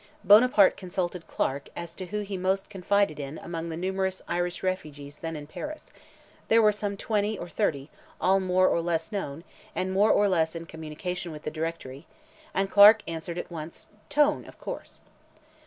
Buonaparte consulted Clarke as to who he most confided in among the numerous Irish refugees then in Paris—there were some twenty or thirty, all more or less known, and more or less in communication with the Directory—and Clarke answered at once, "Tone, of course."